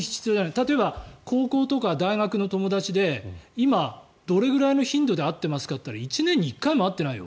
例えば、高校とか大学の友達で今、どれくらいの頻度で会ってますかといったら１年に１回も会ってないよ。